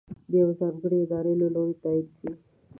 د یوې ځانګړې ادارې له لورې تائید وي.